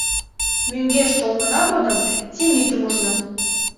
Мӧҥгеш толмына годым Темитым ужна.